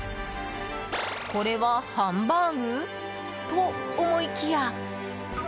これは、ハンバーグと思いきや。